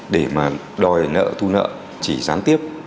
để mà đòi nợ thu nợ chỉ gián tiếp